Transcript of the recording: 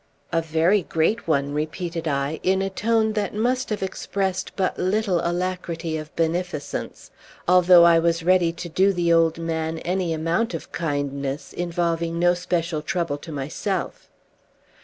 "A very great one?" repeated I, in a tone that must have expressed but little alacrity of beneficence, although I was ready to do the old man any amount of kindness involving no special trouble to myself.